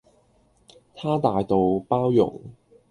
她大道、包容